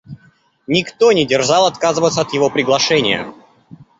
Никто не дерзал отказываться от его приглашения.